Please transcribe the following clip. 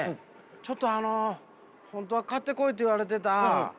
ちょっとあの本当は買ってこいって言われてた水。